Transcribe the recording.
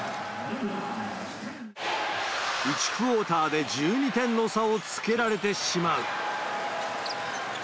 １クオーターで１２点の差をつけられてしまう。